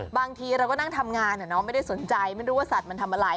บางทีเราก็นั่งทำงานไม่ได้สนใจไม่รู้ว่าสัตว์มันทำอะไร